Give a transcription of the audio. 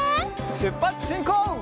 しゅっぱつしんこう！